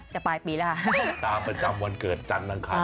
กับปลายปีแหละค่ะ